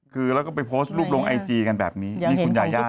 คือแล้วก็ไปโพสต์รูปลงไอจีกันแบบนี้นี่คุณยาย่า